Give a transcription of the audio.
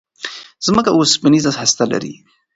ځمکه اوسپنيزه هسته لري.